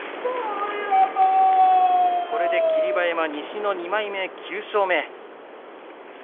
これで霧馬山西の２枚目９勝目。